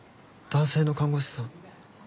男性の看護師さん。